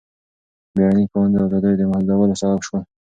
بیړني قوانین د ازادیو د محدودولو سبب شول.